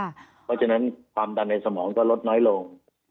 เพราะฉะนั้นความดันในสมองก็ลดน้อยลง